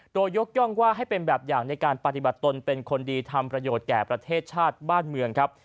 โดยยกย่องว่าให้เป็นแบบอย่างในการปฏิบัติตนเป็นคนดีทำประโยชน์แก่ประเทศชาติบ้านเมืองครับ